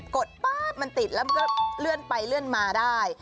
ดป๊าบมันติดแล้วมันก็เลื่อนไปเลื่อนมาได้